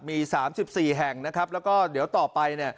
มี๓๔แห่งนะครับแล้วก็เดี๋ยวต่อไป